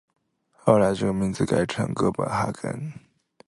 后来这个名字改成哥本哈根。